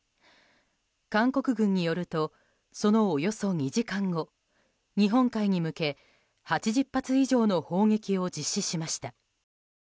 韓国軍によるとそのおよそ２時間後日本海に向け８０発以上の砲撃を実施しました。